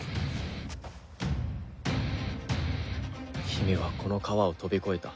姫はこの川を飛び越えた。